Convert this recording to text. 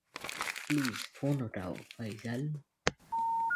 Please phone উঠাও, ফাইজাল।